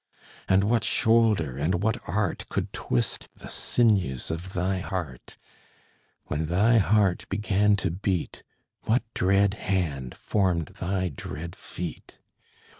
And what shoulder, and what art, Could twist the sinews of thy heart? When thy heart began to beat, What dread hand formed thy dread feet?